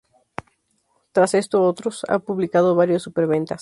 Tras esto otros ha publicado varios superventas.